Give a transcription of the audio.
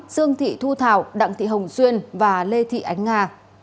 dương thị thu thảo đặng thị hồng xuyên và lê thị ánh nga